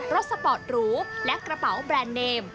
สปอร์ตหรูและกระเป๋าแบรนด์เนม